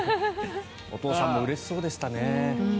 お父さんもうれしそうでしたね。